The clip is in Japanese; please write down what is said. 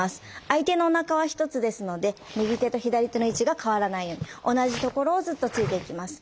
相手のおなかは１つですので右手と左手の位置が変わらないように同じところをずっと突いていきます。